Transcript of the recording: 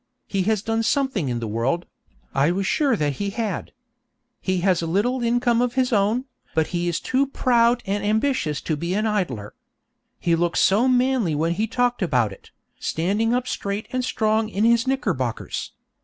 He has done something in the world; I was sure that he had. He has a little income of his own, but he is too proud and ambitious to be an idler. He looked so manly when he talked about it, standing up straight and strong in his knickerbockers.